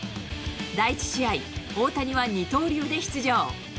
第１試合、大谷は二刀流で出場。